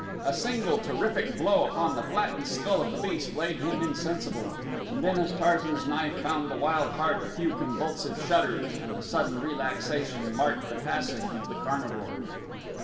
A single terrific blow upon the flattened skull of the beast laid him insensible and then as Tarzan's knife found the wild heart a few convulsive shudders and a sudden relaxation marked the passing of the carnivore.